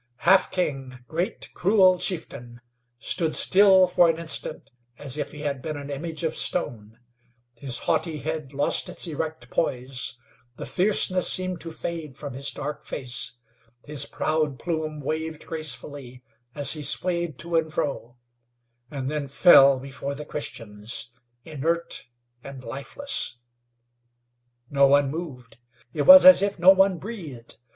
Half King, great, cruel chieftain, stood still for an instant as if he had been an image of stone; his haughty head lost its erect poise, the fierceness seemed to fade from his dark face, his proud plume waved gracefully as he swayed to and fro, and then fell before the Christians, inert and lifeless. No one moved; it was as if no one breathed.